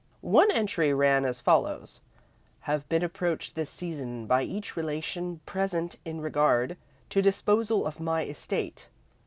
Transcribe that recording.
One entry ran as follows: "Have been approached this season by each Relation present in regard to disposal of my estate.